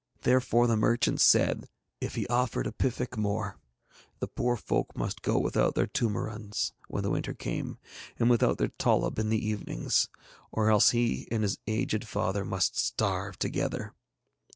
Therefore the merchant said if he offered a piffek more the poor folk must go without their toomarunds when the winter came, and without their tollub in the evenings, or else he and his aged father must starve together.